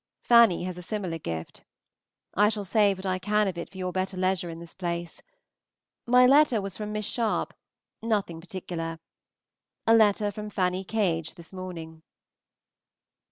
Fanny has a similar gift. I shall save what I can of it for your better leisure in this place. My letter was from Miss Sharpe, nothing particular. A letter from Fanny Cage this morning.